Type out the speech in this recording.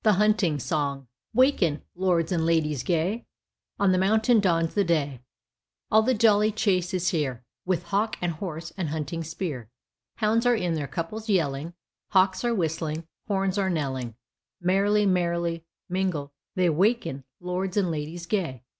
HUNTING SONG Waken, lords and ladies gay, On the mountain dawns the day; All the jolly chase is here With hawk and horse and hunting spear; Hounds are in their couples yelling, Hawks are whistling, horns are knelling, Merrily, merrily mingle they, 'Waken, lords and ladies gay.'